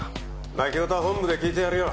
泣き言は本部で聞いてやるよ。